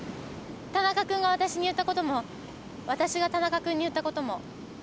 田中君がわたしに言ったこともわたしが田中君に言ったことも。